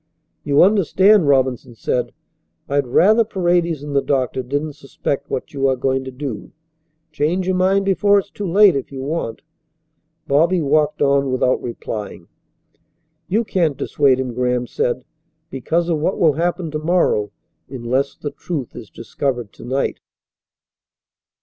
"You understand," Robinson said. "I'd rather Paredes and the doctor didn't suspect what you are going to do. Change your mind before it's too late, if you want." Bobby walked on without replying. "You can't dissuade him," Graham said, "because of what will happen to morrow unless the truth is discovered to night."